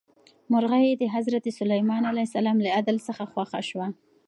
مرغۍ د حضرت سلیمان علیه السلام له عدل څخه خوښه شوه.